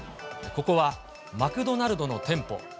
ここはマクドナルドの店舗。